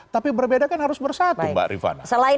tapi berbeda kan harus bersatu mbak rifana